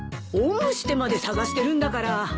おんぶしてまで捜してるんだから。